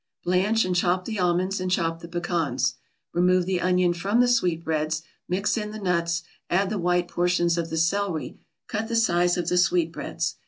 Blanch and chop the almonds, and chop the pecans. Remove the onion from the sweetbreads, mix in the nuts, add the white portions of the celery, cut the size of the sweetbreads.